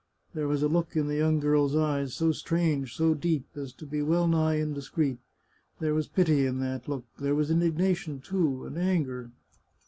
There was a look in the young girl's eyes, so strange, so deep, as to be well nigh indiscreet. There was pity in that look. There was indignation, too, and anger.